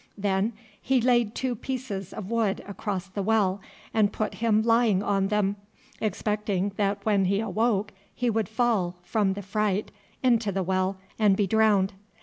Then he laid two pieces of wood across the well and put him lying on them, expecting that when he awoke he would fall, from the fright, into the well and be drowned.